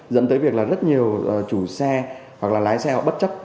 dẫn tới việc là rất nhiều chủ xe hoặc là lái xe họ bất chấp